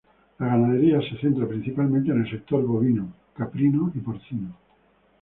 La ganadería se centra principalmente en el sector bovino, caprino y porcino.